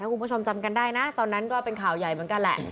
คุณผู้ชมจำกันได้นะตอนนั้นก็เป็นข่าวใหญ่เหมือนกันแหละ